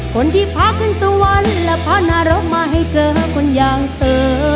คนที่พักขึ้นสวรรค์และพานรกมาให้เจอคนอย่างเธอ